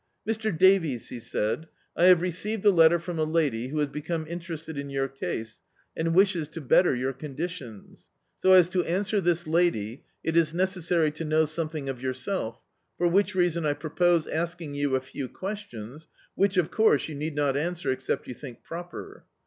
"Mr. Davies," he said, "I h^ve re ceived a letter from a lady who has become inter ested in your case, and wishes to better your con ditions. So as to answer this lady, it is necessary to know something of yourself, for which reason I propose asking you a few questions, which, of course, you need not answer except you think proper."